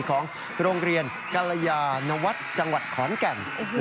ของโรงเรียนกรณะวัดเจขอนแก่น